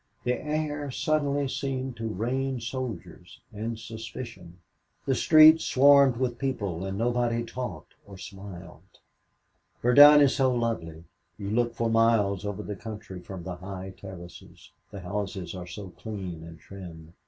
The air suddenly seemed to rain soldiers and suspicion the street swarmed with people and nobody talked or smiled. "Verdun is so lovely. You look for miles over the country from the high terraces the houses are so clean and trim.